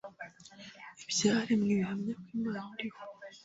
Ibyaremwe bihamya ko Imana iriho